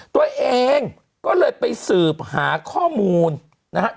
ตัวเองก็เลยไปสืบหาข้อมูลนะครับ